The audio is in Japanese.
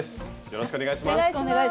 よろしくお願いします。